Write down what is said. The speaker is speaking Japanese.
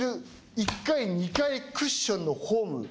１回、２回クッションのホーム。